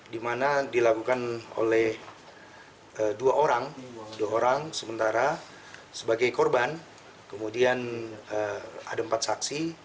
di mana dilakukan oleh dua orang dua orang sementara sebagai korban kemudian ada empat saksi